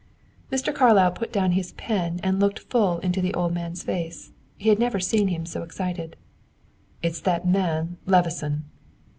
Mr. Carlyle put down his pen and looked full in the old man's face; he had never seen him so excited. "It's that man, Levison."